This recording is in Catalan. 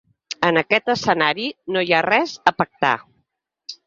En aquest escenari no hi ha res a pactar.